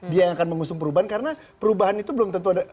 dia yang akan mengusung perubahan karena perubahan itu belum tentu ada